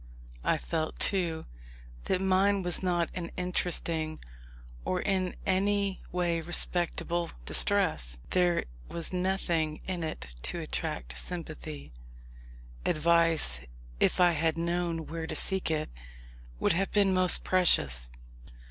I felt, too, that mine was not an interesting, or in any way respectable distress. There was nothing in it to attract sympathy. Advice, if I had known where to seek it, would have been most precious.